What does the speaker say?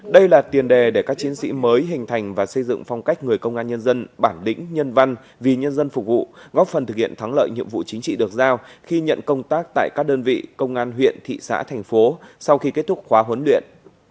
đây là tiền đề để các chiến sĩ mới hình thành và xây dựng phong cách người công an nhân dân bản lĩnh nhân văn vì nhân dân phục vụ góp phần thực hiện thắng lợi nhiệm vụ chính trị được giao khi nhận công tác tại các đơn vị công an huyện thị xã thành phố sau khi kết thúc khóa huấn luyện